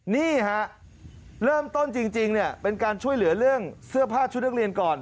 นี่ฮะเริ่มต้นจริงเนี่ยเป็นการช่วยเหลือเรื่องเสื้อผ้าชุดนักเรียนก่อน